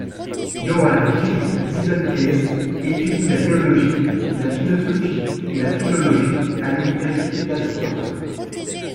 Johann Philipp Siebenkees étudie la théologie, la philosophie et la philologie à l'université d'Altdorf.